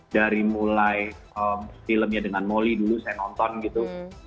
dari mulai filmnya dengan moli dulu saya nonton gitu